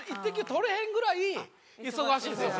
取れへんぐらい忙しいんですよ